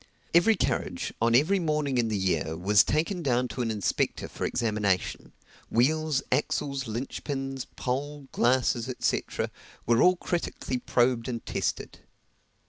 Every carriage, on every morning in the year, was taken down to an inspector for examination wheels, axles, linch pins, pole, glasses, &c., were all critically probed and tested.